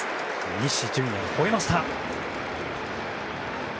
西純矢、ほえました！